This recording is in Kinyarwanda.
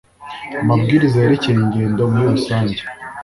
amabwiriza yerekeye ingendo muri rusange.